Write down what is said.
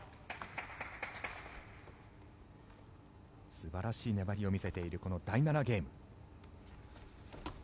素晴らしい粘りを見せているこの第７ゲーム。